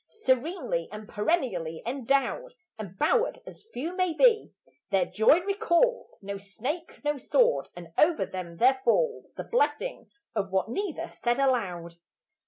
Serenely and perennially endowed And bowered as few may be, their joy recalls No snake, no sword; and over them there falls The blessing of what neither says aloud.